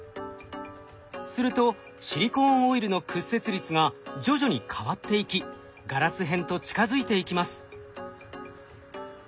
するとシリコーンオイルの屈折率が徐々に変わっていきガラス片と近づいていきます。